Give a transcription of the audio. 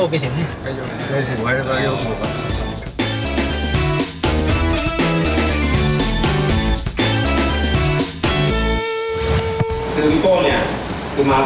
พี่ตุ๋ยชอบเต้นมั้ย